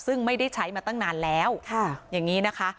ซึ่งไม่ได้ใช้มาตั้งนานแล้วอย่างนี้นะคะ